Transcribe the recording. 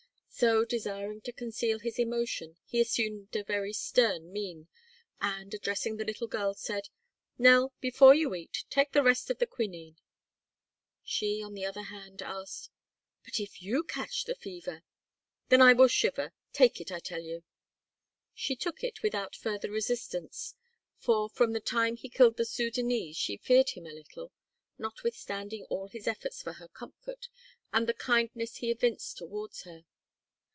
So, desiring to conceal his emotion, he assumed a very stern mien and, addressing the little girl, said: "Nell, before you eat, take the rest of the quinine." She, on the other hand, asked: "But if you catch the fever?" "Then I will shiver. Take it, I tell you." She took it without further resistance, for from the time he killed the Sudânese she feared him a little, notwithstanding all his efforts for her comfort and the kindness he evinced towards her.